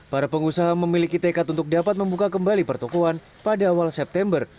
para pengusaha memiliki tekad untuk dapat membuka kembali pertokohan pada awal september